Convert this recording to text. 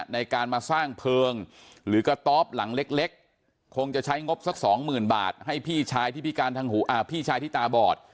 ในการมาสร้างเพลิงหรือก็ต๊อปหลังเล็กคงจะใช้งบสักสองหมื่นบาทให้พี่ชายที่ตาบอด